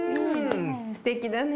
すてきだね。